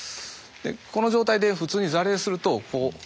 この状態で普通に座礼すると。